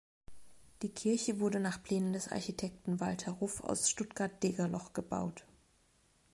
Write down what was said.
Die Kirche wurde nach Plänen des Architekten Walter Ruff aus Stuttgart-Degerloch gebaut.